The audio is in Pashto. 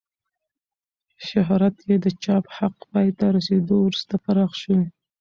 شهرت یې د چاپ حق پای ته رسېدو وروسته پراخ شو.